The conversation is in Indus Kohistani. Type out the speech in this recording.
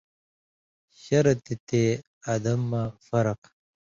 شرط یی تے ادم مہ فرق